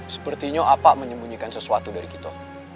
sepertinya apa menyembunyikan sesuatu dari kita